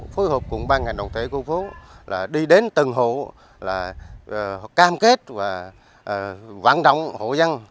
phối hợp cùng bang hành động thể khu phố đi đến tầng hộ cam kết và vãng động hộ dân